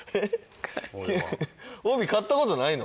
帯買ったことないの？